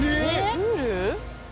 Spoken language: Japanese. プール？